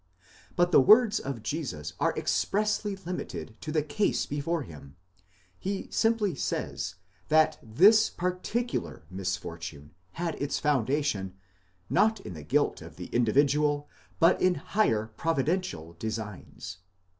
But the words of Jesus are expressly limited to the case before him; he simply says, that this particular misfortune had its foundation, not in the guilt of the individual, but in higher providential designs.